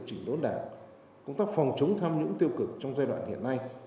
chỉnh đốn đảng công tác phòng chống tham nhũng tiêu cực trong giai đoạn hiện nay